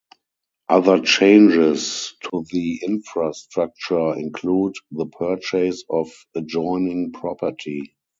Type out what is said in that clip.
Other changes to the infrastructure include the purchase of adjoining property.